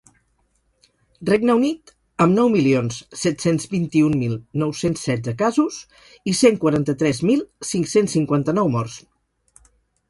Regne Unit, amb nou milions set-cents vint-i-un mil nou-cents setze casos i cent quaranta-tres mil cinc-cents cinquanta-nou morts.